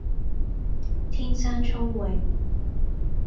天生聰穎